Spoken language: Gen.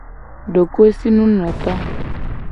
Dokoesinunoto.